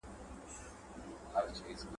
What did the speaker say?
دی په خوب کي لا پاچا د پېښور دی!